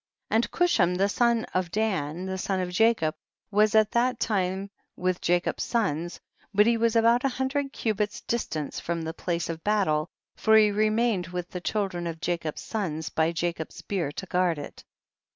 62. And Chushim the son of Dan, llie son of Jacob, was at that time will] Jacob's sons, but he was about a hundred cubits distant from the place of battle, for he remained with the children of Jacob's sons by Jacob's bier to guard it.